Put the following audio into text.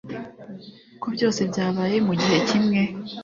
Ko byose byabaye mugihe kimwe